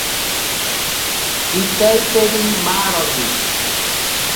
Kitaiteri maaroni.